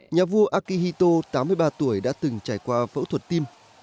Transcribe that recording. nhà vua akihito tám mươi ba tuổi đã từng trải qua phẫu thuật tim